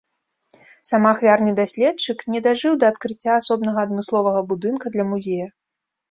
Самаахвярны даследчык не дажыў да адкрыцця асобнага адмысловага будынка для музея.